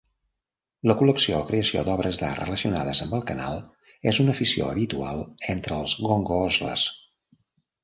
La col·lecció o creació d'obres d'art relacionades amb el canal és una afició habitual entre els gongoozlers.